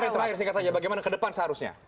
yang terakhir singkat saja bagaimana ke depan seharusnya